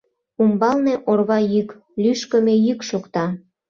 Умбалне орва йӱк, лӱшкымӧ йӱк шокта.